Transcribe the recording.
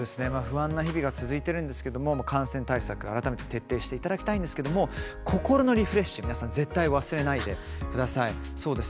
不安な日々が続いているんですけど感染対策を改めて徹底していただきたいんですけど心のリフレッシュ皆さん絶対忘れないでください。